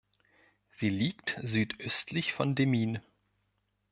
Sie liegt südöstlich von Demmin.